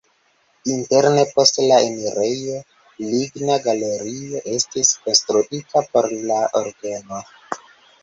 Interne post la enirejo ligna galerio estis konstruita por la orgeno.